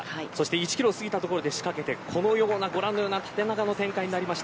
１キロ過ぎた所で仕掛けてご覧のような縦長の展開です。